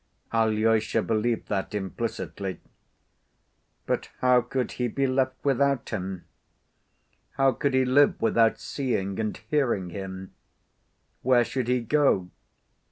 Alyosha believed that implicitly. But how could he be left without him? How could he live without seeing and hearing him? Where should he go?